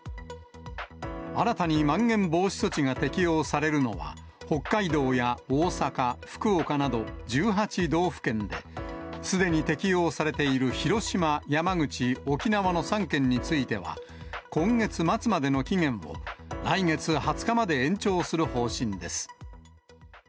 新たにまん延防止措置が適用されるのは、北海道や大阪、福岡など、１８道府県で、すでに適用されている広島、山口、沖縄の３県については、今月末までの期限を、来月２０日まで延長する方針です。